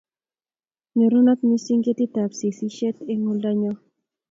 Nyorunot mising ketitab sesiet eng' oldo nyo